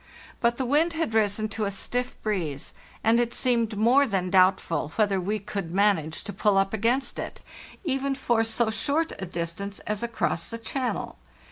But the wind had risen to a stiff breeze, and it seemed more than doubtful wheth er we could manage to pull up against it, even for so short a distance as across the channel.